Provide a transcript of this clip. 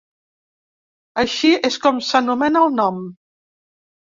Així és com s'anomena el nom.